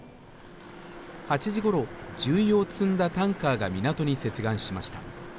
８時頃、重油を積んだタンカーが港に接岸しました。